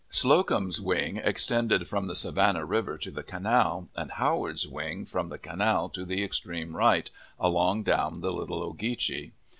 Slocum's wing extended from the Savannah River to the canal, and Howard's wing from the canal to the extreme right, along down the Little Ogeechee.